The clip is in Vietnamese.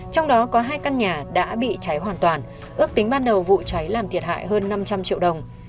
trong đó có hai căn nhà đã bị cháy hoàn toàn ước tính ban đầu vụ cháy làm thiệt hại hơn năm trăm linh triệu đồng